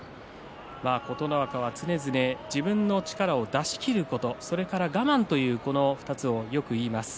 琴ノ若は常々自分の力を出し切ることそれから我慢というこの２つをよく言います。